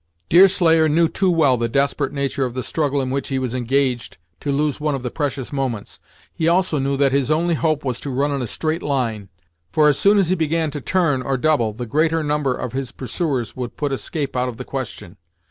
Deerslayer knew too well the desperate nature of the struggle in which he was engaged to lose one of the precious moments. He also knew that his only hope was to run in a straight line, for as soon as he began to turn, or double, the greater number of his pursuers would put escape out of the question.